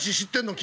君。